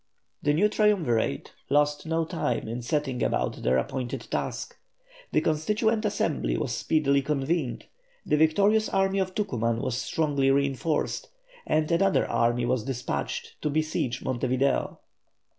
The new Triumvirate lost no time in setting about their appointed task; the Constituent Assembly was speedily convened, the victorious army of Tucuman was strongly reinforced, and another army was despatched to besiege Monte Video.